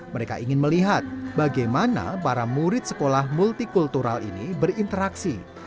mereka ingin melihat bagaimana para murid sekolah multikultural ini berinteraksi